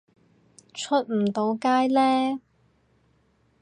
出唔到街呢